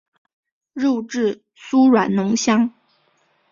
肉质酥软浓香。